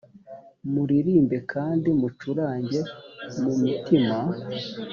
muririmbe kandi mucurange mu mitima